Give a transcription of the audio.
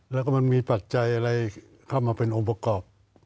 แล้วก็มันมีปัจจัยอะไรเข้ามาเป็นองค์ประกอบ